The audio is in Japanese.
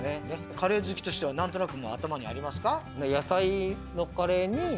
カレー好きとしては何となく頭にありますか？